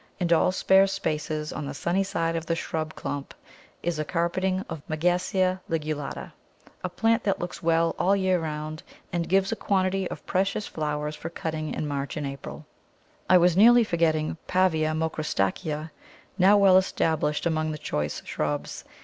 In all spare spaces on the sunny side of the shrub clump is a carpeting of Megasea ligulata, a plant that looks well all the year round, and gives a quantity of precious flower for cutting in March and April. I was nearly forgetting Pavia macrostachya, now well established among the choice shrubs.